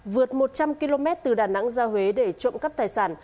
vượt một trăm linh km từ đà nẵng ra huế để trộm cắp tài sản